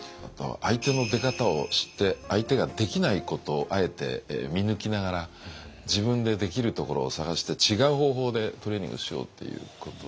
相手の出方を知って相手ができないことをあえて見抜きながら自分でできるところを探して違う方法でトレーニングしようっていうこと。